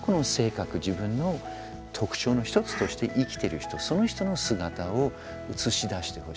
自分の特徴の１つとして生きている人その人の姿を映し出してほしい。